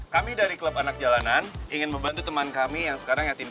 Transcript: karena kereta ini juga sedikit pendek